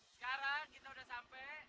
sekarang kita udah sampe